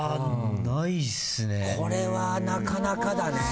これはなかなかだね。